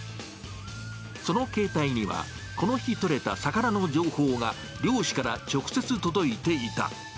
その携帯には、この日取れた魚の情報が、漁師から直接届いていた。